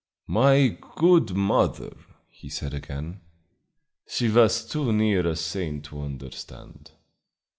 "My good mother!" he said again. "She was too near a saint to understand.